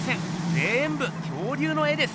ぜんぶ恐竜の絵です。